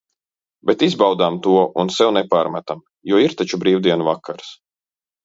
Bet izbaudām to un sev nepārmetam, jo ir taču brīvdienu vakars.